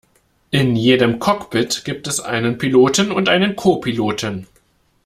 In jedem Cockpit gibt es einen Piloten und einen Co-Piloten